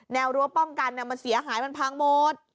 วรั้วป้องกันมันเสียหายมันพังหมด